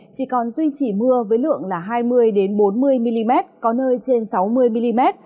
chỉ còn duy trì mưa với lượng hai mươi bốn mươi mm có nơi trên sáu mươi mm